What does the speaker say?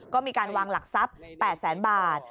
ก็มีการวางหลักทรัพย์๘แสนบาท